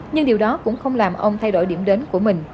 nhưng điều đó cũng không làm ông thay đổi điểm đến của mình